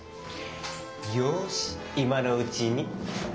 よしいまのうちに。